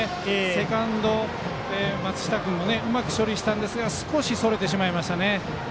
セカンドの松下君もうまく処理したんですが少しそれてしまいました。